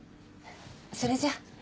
それじゃ。